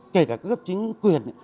kể cả các cấp chính quyền